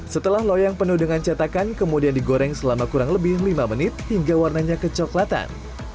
setelah loyang penuh dengan cetakan kemudian digoreng selama kurang lebih lima menit hingga warnanya kecoklatan